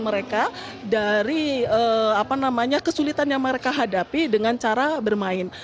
mereka dari kesulitan yang mereka hadapi dengan cara bermain